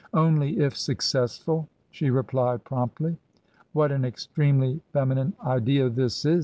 " Only if successful !" she replied, promptly. "What an extremely feminine idea this is!"